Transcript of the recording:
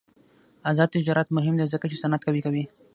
آزاد تجارت مهم دی ځکه چې صنعت قوي کوي.